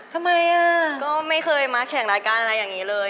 ทำไมอ่ะก็ไม่เคยมาแข่งรายการอะไรอย่างนี้เลย